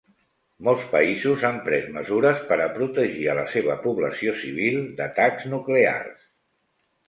Molts països han pres mesures per a protegir a la seva població civil d'atacs nuclears.